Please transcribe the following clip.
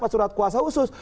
surat kuasa khusus